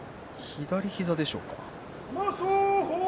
左膝でしょうか。